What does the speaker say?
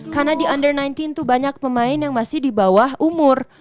karena di under sembilan belas tuh banyak pemain yang masih di bawah umur